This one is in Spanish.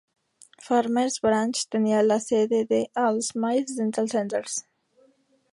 Farmers Branch tenía la sede de "All Smiles Dental Centers".